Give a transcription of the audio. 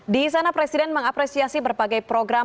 di sana presiden mengapresiasi berbagai program